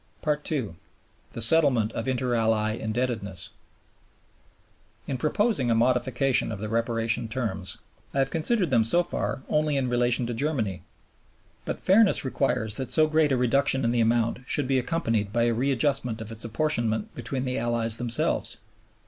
2. The Settlement of Inter Ally Indebtedness In proposing a modification of the Reparation terms, I have considered them so far only in relation to Germany. But fairness requires that so great a reduction in the amount should be accompanied by a readjustment of its apportionment between the Allies themselves.